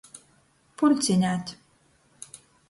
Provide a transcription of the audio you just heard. Pulcineit.